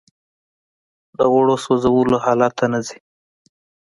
د غوړو سوځولو حالت ته نه ځي